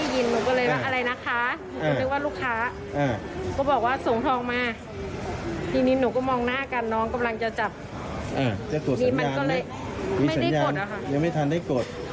จับทองทั้งขาดแล้วทีนี้มันจะสลัดแล้วมันไม่หลุด